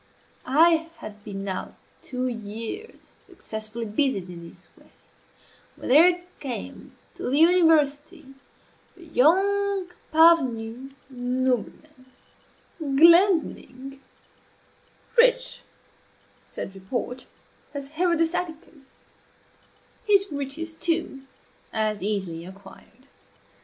I had been now two years successfully busied in this way, when there came to the university a young parvenu nobleman, Glendinning rich, said report, as Herodes Atticus his riches, too, as easily acquired.